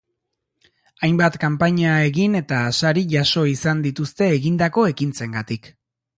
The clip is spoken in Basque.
Hainbat kanpaina egin eta sari jaso izan dituzte egindako ekintzengatik.